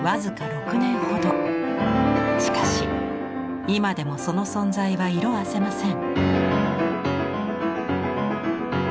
しかし今でもその存在は色あせません。